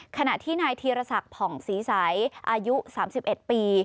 ขณะที่นายธีรศักดิ์ผ่องศรีใสอายุ๓๑ปี